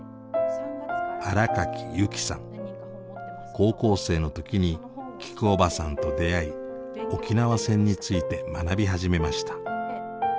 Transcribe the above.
高校生の時にきくおばさんと出会い沖縄戦について学び始めました。